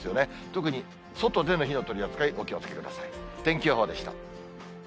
特に外での火の取り扱い、お気をつけください。